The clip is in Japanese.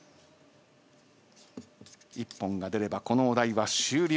一本が出ればこのお題は終了。